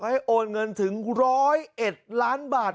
ให้โอนเงินถึง๑๐๑ล้านบาท